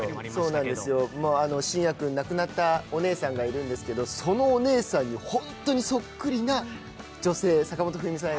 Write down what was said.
信也君、亡くなったお姉さんがいるんですけど、そのお姉さんに本当にそっくりな女性、坂本冬美さん